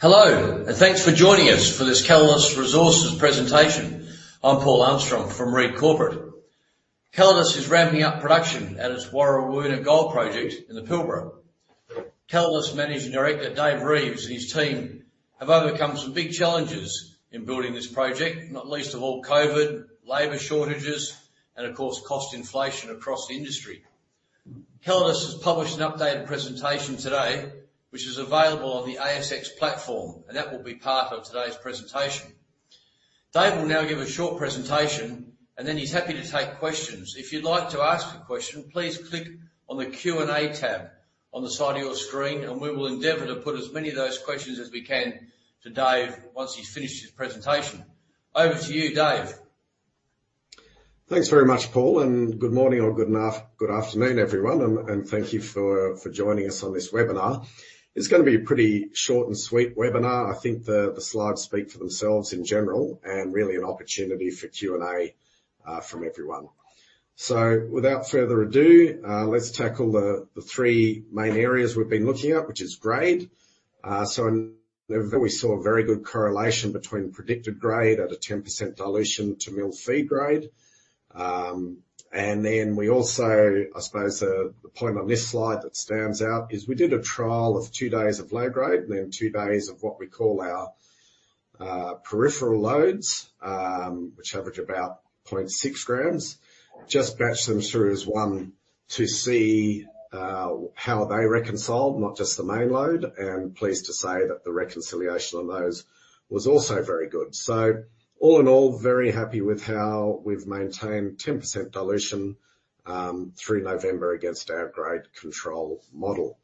Hello. Thanks for joining us for this Calidus Resources presentation. I'm Paul Armstrong from Read Corporate. Calidus is ramping up production at its Warrawoona Gold Project in the Pilbara. Calidus Managing Director, Dave Reeves, and his team have overcome some big challenges in building this project, not least of all COVID, labor shortages, and of course, cost inflation across the industry. Calidus has published an updated presentation today, which is available on the ASX platform. That will be part of today's presentation. Dave will now give a short presentation. Then he's happy to take questions. If you'd like to ask a question, please click on the Q&A tab on the side of your screen. We will endeavor to put as many of those questions as we can to Dave once he's finished his presentation. Over to you, Dave. Thanks very much, Paul, good morning or good afternoon, everyone, and thank you for joining us on this webinar. It's gonna be a pretty short and sweet webinar. I think the slides speak for themselves in general and really an opportunity for Q&A from everyone. Without further ado, let's tackle the three main areas we've been looking at, which is grade. In November, we saw a very good correlation between predicted grade at a 10% dilution to mill feed grade. Then we also I suppose, the point on this slide that stands out is we did a trial of 2 days of low grade and then 2 days of what we call our peripheral lodes, which average about 0.6 grams. Just batched them through as one to see how they reconciled, not just the main load, and pleased to say that the reconciliation on those was also very good. All in all, very happy with how we've maintained 10% dilution through November against our grade control model.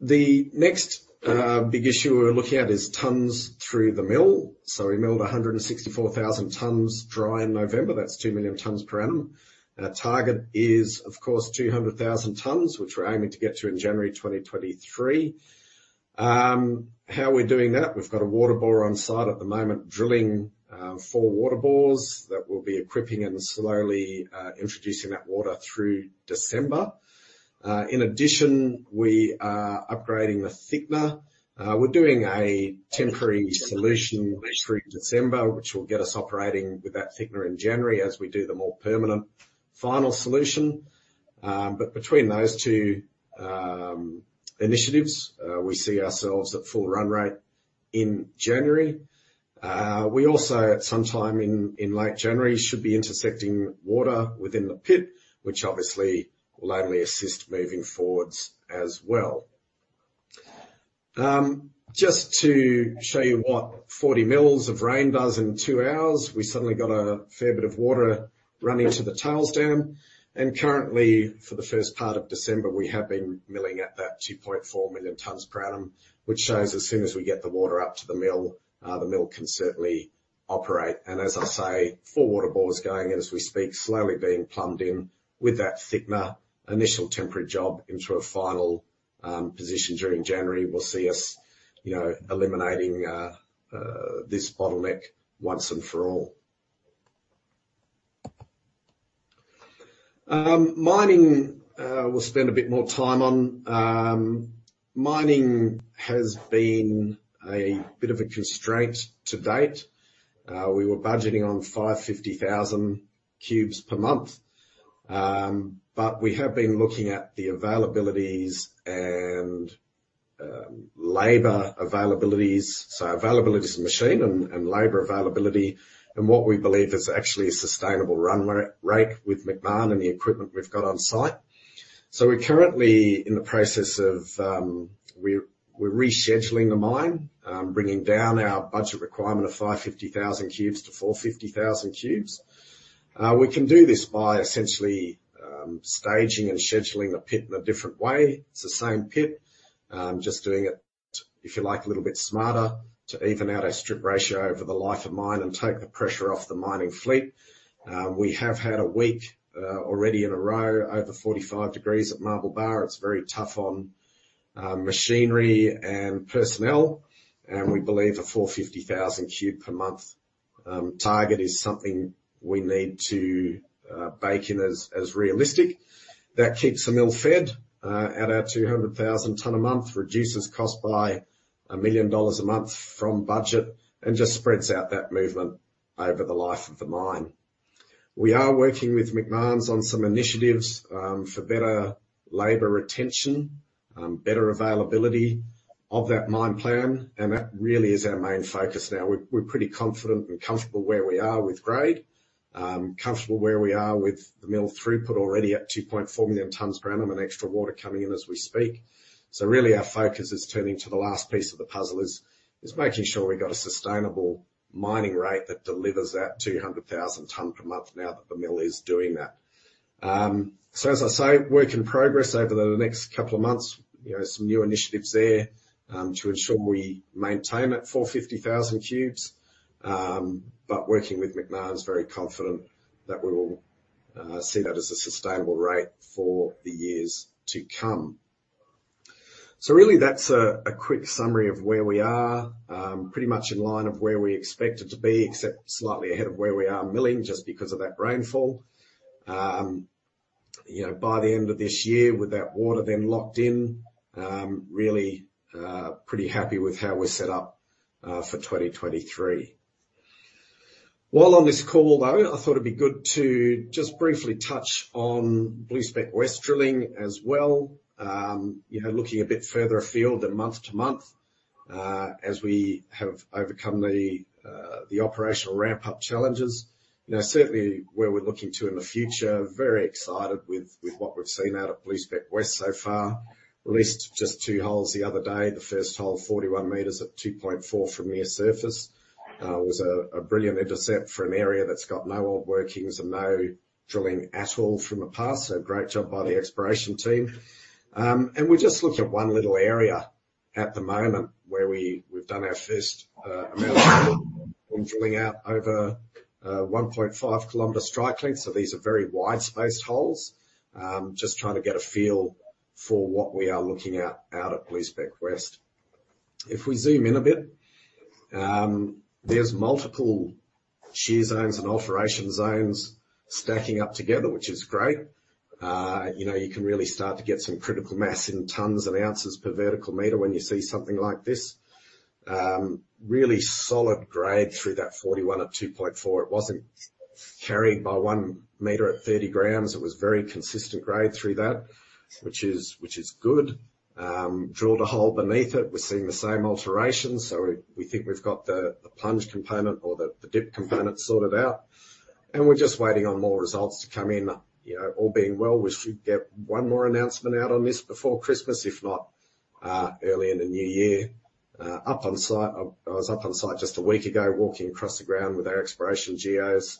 The next big issue we're looking at is tons through the mill. We milled 164,000 tons dry in November. That's 2 million tons per annum. Our target is, of course, 200,000 tons, which we're aiming to get to in January 2023. How we're doing that, we've got a water bore on site at the moment, drilling four water bores that we'll be equipping and slowly introducing that water through December. We are upgrading the thickener. We're doing a temporary solution through December, which will get us operating with that thickener in January as we do the more permanent final solution. Between those 2 initiatives, we see ourselves at full run rate in January. We also, at some time in late January, should be intersecting water within the pit, which obviously will only assist moving forwards as well. Just to show you what 40 mils of rain does in 2 hours. We suddenly got a fair bit of water running to the tails dam. Currently, for the first part of December, we have been milling at that 2.4 million tonnes per annum, which shows as soon as we get the water up to the mill, the mill can certainly operate. As I say, four water bores going as we speak, slowly being plumbed in with that thickener, initial temporary job into a final position during January will see us eliminating this bottleneck once and for all. Mining, we'll spend a bit more time on. Mining has been a bit of a constraint to date. We were budgeting on 550,000 cubes per month, we have been looking at the availabilities and labor availabilities. Availabilities of machine and labor availability and what we believe is actually a sustainable run rate with Macmahon and the equipment we've got on site. We're currently in the process of, we're rescheduling the mine, bringing down our budget requirement of 550,000 cubes to 450,000 cubes. We can do this by essentially staging and scheduling the pit in a different way. It's the same pit, just doing it, if you like, a little bit smarter to even out our strip ratio over the life of mine and take the pressure off the mining fleet. We have had a week already in a row over 45 degrees at Marble Bar. It's very tough on machinery and personnel, and we believe a 450,000 cube per month target is something we need to bake in as realistic. That keeps the mill fed at our 200,000 ton a month, reduces cost by 1 million dollars a month from budget, and just spreads out that movement over the life of the mine. We are working with Macmahon on some initiatives for better labor retention, better availability of that mine plan. That really is our main focus now. We're pretty confident and comfortable where we are with grade. Comfortable where we are with the mill throughput already at 2.4 million tons per annum. Extra water coming in as we speak. Really our focus is turning to the last piece of the puzzle, is making sure we've got a sustainable mining rate that delivers that 200,000 tons per month now that the mill is doing that. As I say, work in progress over the next couple of months. Some new initiatives there to ensure we maintain that 450,000 cubes. Working with Macmahon very confident that we will see that as a sustainable rate for the years to come. Really that's a quick summary of where we are. Pretty much in line of where we expected to be, except slightly ahead of where we are milling just because of that rainfall. By the end of this year, with that water then locked in, really pretty happy with how we're set up for 2023. While on this call, though, I thought it'd be good to just briefly touch on Blue Spec West drilling as well. Looking a bit further afield than month to month, as we have overcome the operational ramp-up challenges. Certainly where we're looking to in the future, very excited with what we've seen out at Blue Spec West so far. Released just 2 holes the other day. The first hole, 41 meters at 2.4 from near surface. Was a brilliant intercept for an area that's got no old workings and no drilling at all from the past. Great job by the exploration team. We've just looked at one little area at the moment where we've done our first amount of drilling out over 1.5 kilometer strike length. These are very wide-spaced holes. Just trying to get a feel for what we are looking at out at Blue Spec West. If we zoom in a bit, there's multiple shear zones and alteration zones stacking up together, which is great. You can really start to get some critical mass in tons and ounces per vertical meter when you see something like this. Really solid grade through that 41 at 2.4. It wasn't carried by 1 meter at 30 grams. It was very consistent grade through that, which is good. Drilled a hole beneath it. We're seeing the same alterations. We think we've got the plunge component or the dip component sorted out, and we're just waiting on more results to come in. All being well, we should get 1 more announcement out on this before Christmas, if not, early in the new year. I was up on site just a week ago, walking across the ground with our exploration geos,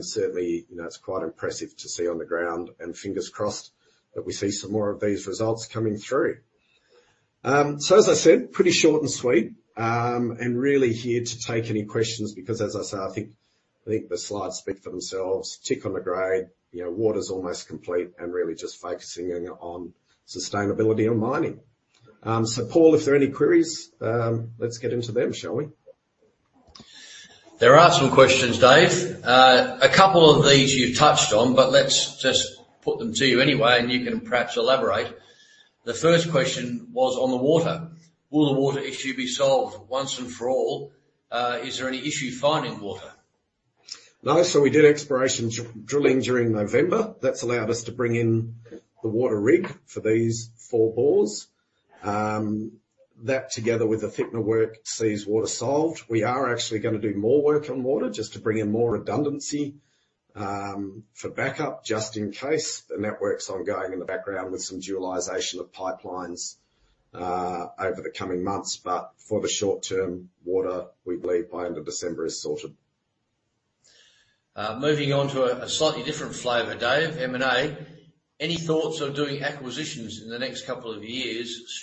certainly it's quite impressive to see on the ground, and fingers crossed that we see some more of these results coming through. As I said, pretty short and sweet, really here to take any questions because, as I say, I think the slides speak for themselves. Tick on the grade, water's almost complete and really just focusing on sustainability and mining. Paul, if there are any queries, let's get into them, shall we? There are some questions, Dave. A couple of these you've touched on, but let's just put them to you anyway, and you can perhaps elaborate. The first question was on the water. Will the water issue be solved once and for all? Is there any issue finding water? No. We did exploration drilling during November. That's allowed us to bring in the water rig for these four bores. That together with the filter work sees water solved. We are actually gonna do more work on water just to bring in more redundancy for backup, just in case. The network's ongoing in the background with some dualization of pipelines over the coming months. For the short term, water, we believe by end of December, is sorted. moving on to a slightly different flavor, Dave, M&A. Any thoughts on doing acquisitions in the next couple of years,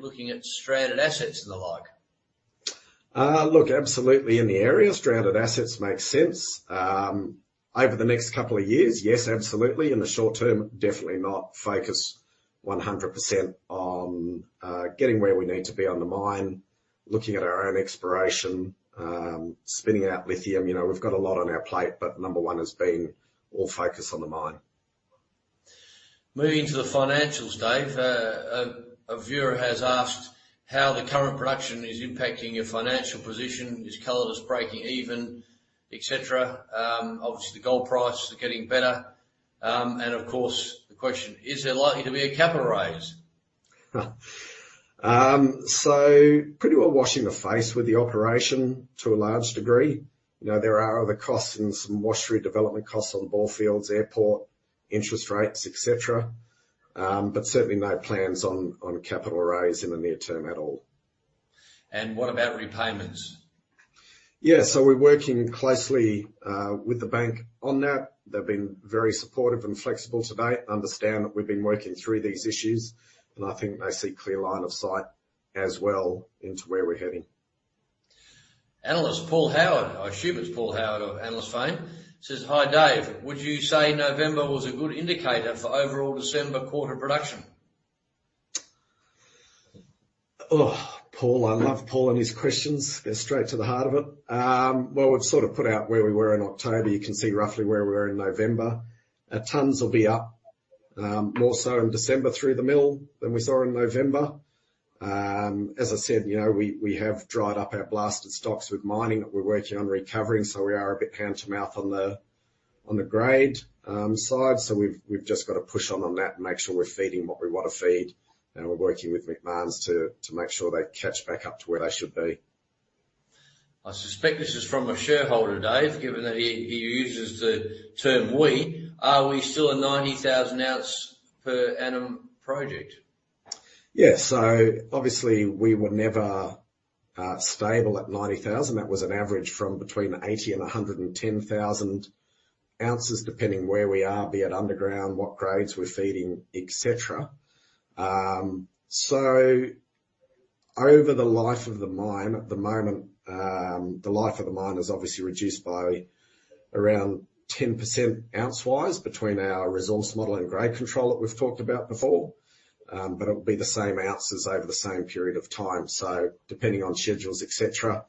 looking at stranded assets and the like? Look, absolutely in the area. Stranded assets make sense. Over the next couple of years, yes, absolutely. In the short term, definitely not. Focused 100% on getting where we need to be on the mine, looking at our own exploration, spinning out lithium. We've got a lot on our plate, but number one has been all focus on the mine. Moving to the financials, Dave. A viewer has asked how the current production is impacting your financial position. Is Calidus breaking even, et cetera? Obviously, the gold prices are getting better. Of course, the question, is there likely to be a capital raise? Pretty well washing the face with the operation to a large degree. There are other costs and some wash through development costs on the borefields, airport, interest rates, et cetera. Certainly no plans on a capital raise in the near term at all. What about repayments? Yeah. We're working closely with the bank on that. They've been very supportive and flexible to date. Understand that we've been working through these issues, and I think they see clear line of sight as well into where we're heading. Analyst Paul Howard. I assume it's Paul Howard of analyst fame. Says, "Hi, Dave. Would you say November was a good indicator for overall December quarter production? Paul. I love Paul and his questions. They're straight to the heart of it. Well, we've sort of put out where we were in October. You can see roughly where we were in November. Tons will be up more so in December through the mill than we saw in November. As I said we have dried up our blasted stocks with mining that we're working on recovering, so we are a bit hand to mouth on the grade side. We've just got to push on that and make sure we're feeding what we want to feed. We're working with Macmahon's to make sure they catch back up to where they should be. I suspect this is from a shareholder, Dave, given that he uses the term "we." Are we still a 90,000 ounce per annum project? Yeah. Obviously we were never stable at 90,000. That was an average from between 80,000 and 110,000 ounces, depending where we are, be it underground, what grades we're feeding, et cetera. Over the life of the mine, at the moment, the life of the mine is obviously reduced by around 10% ounce-wise between our resource model and grade control that we've talked about before. It'll be the same ounces over the same period of time. Depending on schedules, et cetera.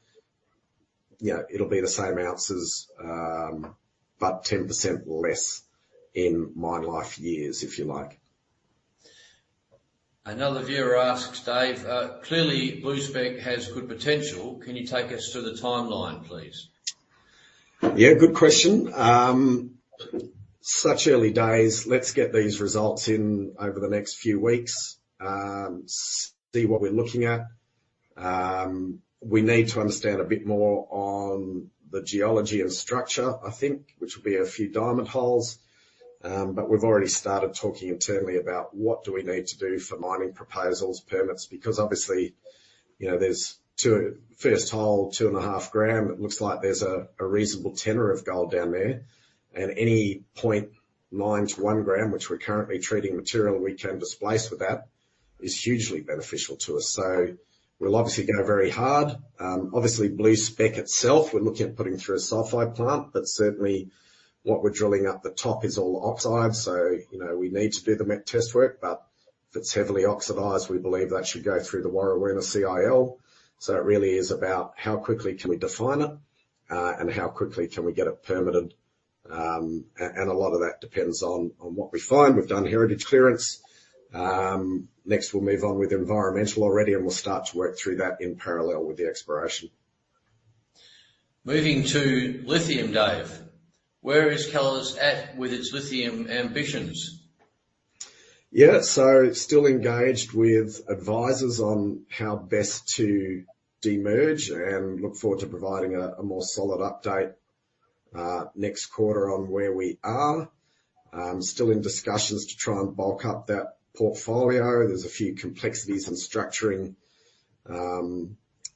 It'll be the same ounces, 10% less in mine life years, if you like. Another viewer asks, Dave, "Clearly, Blue Spec has good potential. Can you take us through the timeline, please? Yeah, good question. Such early days. Let's get these results in over the next few weeks, see what we're looking at. We need to understand a bit more on the geology and structure, I think, which will be a few diamond holes. We've already started talking internally about what do we need to do for mining proposals, permits. Because obviously there's 2 first hole, 2.5 gram. It looks like there's a reasonable tenor of gold down there. Any 0.9-1 gram, which we're currently treating material, we can displace with that, is hugely beneficial to us. We'll obviously go very hard. Obviously, Blue Spec itself, we're looking at putting through a sulfide plant, but certainly what we're drilling up the top is all oxide. We need to do the met test work, but if it's heavily oxidized, we believe that should go through the Warrawoona CIL. It really is about how quickly can we define it and how quickly can we get it permitted. And a lot of that depends on what we find. We've done heritage clearance. Next, we'll move on with environmental already, and we'll start to work through that in parallel with the exploration. Moving to lithium, Dave. Where is Calidus at with its lithium ambitions? Yeah. Still engaged with advisors on how best to demerge, and look forward to providing a more solid update next quarter on where we are. Still in discussions to try and bulk up that portfolio. There's a few complexities in structuring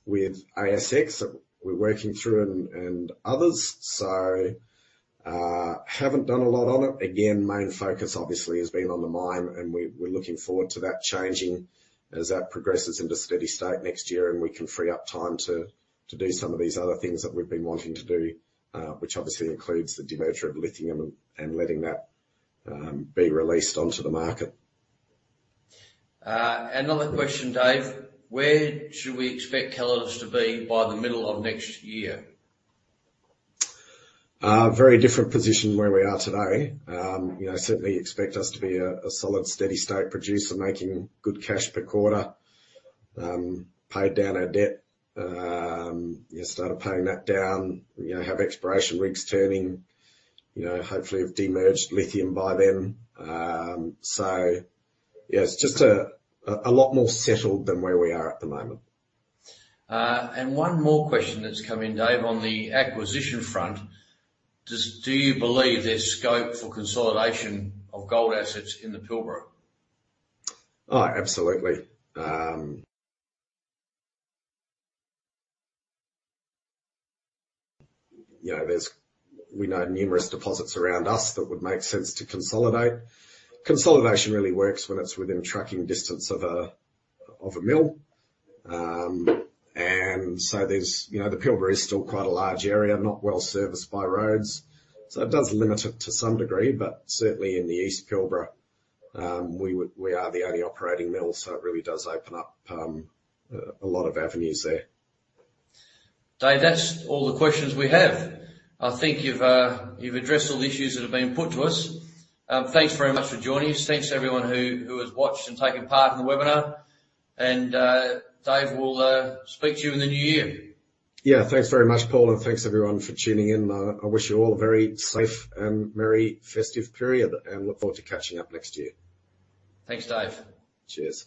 with ASX that we're working through and others. Haven't done a lot on it. Again, main focus obviously has been on the mine, and we're looking forward to that changing as that progresses into steady state next year and we can free up time to do some of these other things that we've been wanting to do, which obviously includes the demerger of lithium and letting that be released onto the market. Another question, Dave. Where should we expect Calidus to be by the middle of next year? Very different position where we are today. Certainly expect us to be a solid, steady state producer making good cash per quarter. Paid down our debt. Yeah, started paying that down. Have exploration rigs turning. Hopefully we've demerged lithium by then. Yeah, it's just a lot more settled than where we are at the moment. one more question that's come in, Dave. On the acquisition front, do you believe there's scope for consolidation of gold assets in the Pilbara? Absolutely. We know numerous deposits around us that would make sense to consolidate. Consolidation really works when it's within tracking distance of a mill. There's the Pilbara is still quite a large area, not well serviced by roads. It does limit it to some degree. Certainly in the East Pilbara, we are the only operating mill, so it really does open up a lot of avenues there. Dave, that's all the questions we have. I think you've addressed all the issues that have been put to us. Thanks very much for joining us. Thanks to everyone who has watched and taken part in the webinar. Dave, we'll speak to you in the new year. Yeah. Thanks very much, Paul. Thanks everyone for tuning in. I wish you all a very safe and merry festive period, and look forward to catching up next year. Thanks, Dave. Cheers.